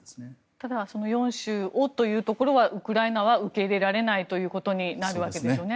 ただ４州をというところはウクライナは受け入れないということになるわけですよね。